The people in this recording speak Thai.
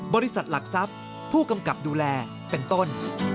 บริษัทหลักทรัพย์ผู้กำกับดูแลเป็นต้น